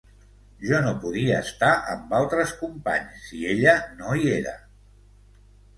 Jo no podia estar amb altres companys si ella no hi era.